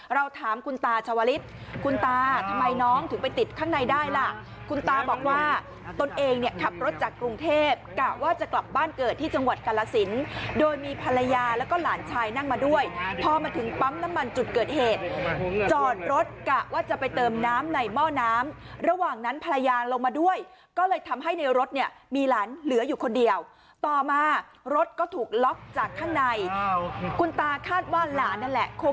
เราถามคุณตาชวลิศคุณตาทำไมน้องถึงไปติดข้างในได้ล่ะคุณตาบอกว่าตนเองเนี่ยขับรถจากกรุงเทพกะว่าจะกลับบ้านเกิดที่จังหวัดกาลสินโดยมีภรรยาแล้วก็หลานชายนั่งมาด้วยพอมาถึงปั๊มน้ำมันจุดเกิดเหตุจอดรถกะว่าจะไปเติมน้ำในหม้อน้ำระหว่างนั้นภรรยาลงมาด้วยก็เลยทำให้ในรถเนี่ยมีห